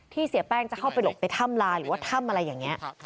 เสียแป้งจะเข้าไปหลบไปถ้ำลาหรือว่าถ้ำอะไรอย่างนี้